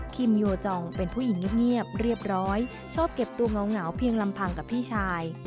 โยจองเป็นผู้หญิงเงียบเรียบร้อยชอบเก็บตัวเหงาเพียงลำพังกับพี่ชาย